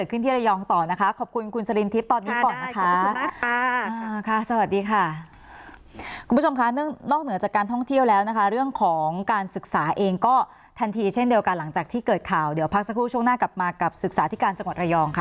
คุณผู้ชมคะนอกเหนือจากการท่องเที่ยวแล้วนะคะเรื่องของการศึกษาเองก็ทันทีเช่นเดียวกันหลังจากที่เกิดข่าวเดี๋ยวพักสักครู่ช่วงหน้ากลับมากับศึกษาที่การจังหวัดระยองค่ะ